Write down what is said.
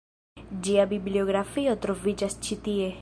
Ĝia bibliografio troviĝas ĉi tie.